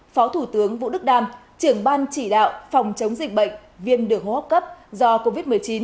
phó thủ tướng vũ đức đam trưởng ban chỉ đạo phòng chống dịch bệnh viêm đường hô hấp cấp do covid một mươi chín